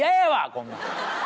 こんなん。